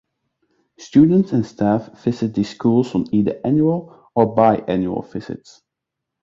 Students and staff visit these schools on either annual or bi-annual visits.